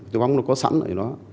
túi bóng nó có sẵn ở đó